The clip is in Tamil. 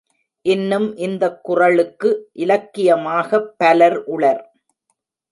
இன்னும் இந்தக் குறளுக்கு இலக்கியமாகப் பலர் உளர்.